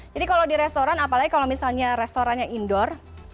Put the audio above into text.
jadi kalau di restoran apalagi kalau misalnya restorannya indoor